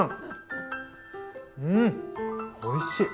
うんおいしい！